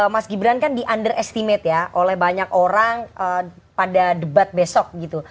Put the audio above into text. mas gibran kan di underestimate ya oleh banyak orang pada debat besok gitu